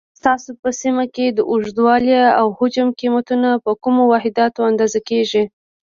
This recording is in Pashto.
ستاسو په سیمه کې د اوږدوالي، او حجم کمیتونه په کومو واحداتو اندازه کېږي؟